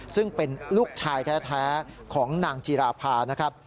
ซึ่งเป็นลูกชายแท้ของนางจีราภานะครับ